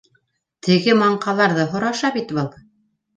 «Теге маңҡаларҙы һораша бит был!»